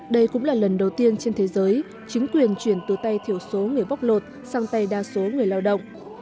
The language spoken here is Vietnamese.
đây cũng là lần đầu tiên trên thế giới chính quyền chuyển từ tay thiểu số người bóc lột sang tay đa số người lao động